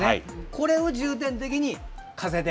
これを重点的に風で。